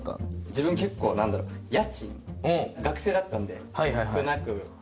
自分結構なんだろう家賃学生だったんで少なく払ってて。